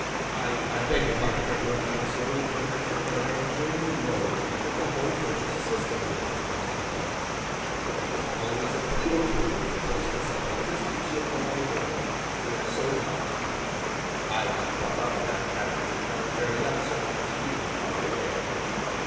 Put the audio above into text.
'I beg your pardon for interrupting you, sir,' returned Bitzer; 'but I am sure you know that the whole social system is a question of self interest. What you must always appeal to, is a person's self interest. It's your only hold. We are so constituted. I was brought up in that catechism when I was very young, sir, as you are aware.